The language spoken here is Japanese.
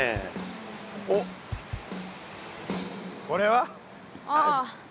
おっこれは？ああ。